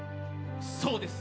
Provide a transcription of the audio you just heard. そうです